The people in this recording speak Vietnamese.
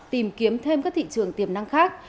tìm kiếm thêm các thị trường tiềm năng khác